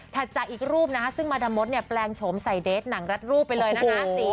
ถัดจากอีกรูปซึ่งมาด่ะมดแปลงโฉมใส่เดสหนังรัดรูปไปเลยนะฮะ